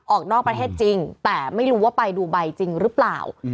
ออกนอกประเทศจริงแต่ไม่รู้ว่าไปดูไบจริงหรือเปล่า